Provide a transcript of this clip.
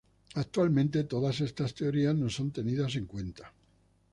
Actualmente todas estas teorías no son tenidas en cuenta.